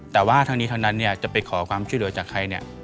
แต่ว่าทั้งนี้ทั้งนั้นเนี่ยจะไปขอความช่วยเหลือจากใครเนี่ย